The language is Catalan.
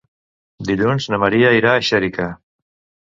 Dilluns na Maria irà a Xèrica.